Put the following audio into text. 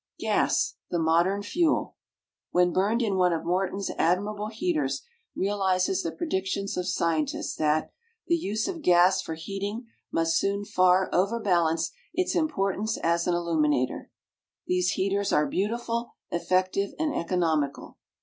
GAS, The Modern Fuel, [Illustration: Gas Stove] When burned in one of Morton's admirable HEATERS, realizes the predictions of scientists, that "THE USE OF GAS FOR HEATING MUST SOON FAR OVERBALANCE ITS IMPORTANCE AS AN ILLUMINATOR." These Heaters are BEAUTIFUL, EFFECTIVE, and ECONOMICAL.